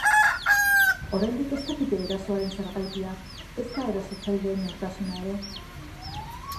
Oraindik ez dakite erasoaren zergatia, ezta erasotzaileen nortasuna ere.